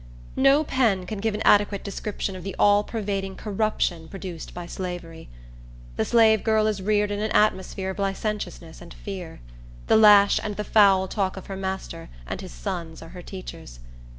No pen can give an adequate description of the all pervading corruption produced by slavery. The slave girl is reared in an atmosphere of licentiousness and fear. The lash and the foul talk of her master and his sons are her teachers.